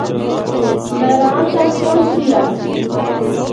ناران تک پہنچدی آسی۔